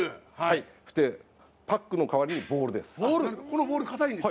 パックの代わりにボールです。